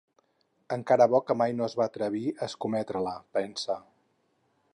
Encara bo que mai no es va atrevir a escometre-la, pensa.